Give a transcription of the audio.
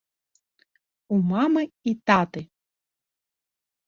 У мамы і таты.